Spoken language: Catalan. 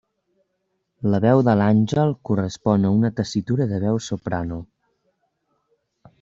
La veu de l'àngel correspon a una tessitura de veu de soprano.